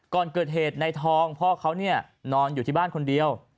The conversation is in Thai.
ก่อนเกิดเหตุในทองพ่อเขานอนอยู่ที่บ้านคนเดียว